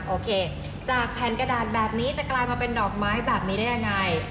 โอเคจากแผ่นกระดาษแบบนี้จะกลายมาเป็นดอกไม้แบบนี้ได้ยังไง